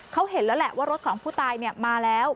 เขาเห็นแล้วแหละว่ารถของผู้ตายมาแล้ว